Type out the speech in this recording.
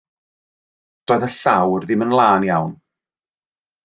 Doedd y llawr ddim yn lân iawn.